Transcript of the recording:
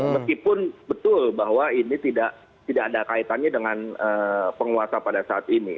meskipun betul bahwa ini tidak ada kaitannya dengan penguasa pada saat ini